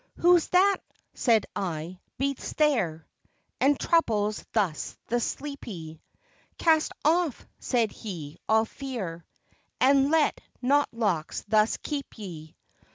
Who's that, said I, beats there, And troubles thus the sleepy? Cast off; said he, all fear, And let not locks thus keep ye.